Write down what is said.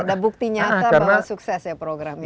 ada bukti nyata bahwa sukses ya program ini